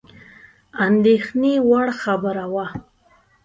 اندېښني وړ خبره وه.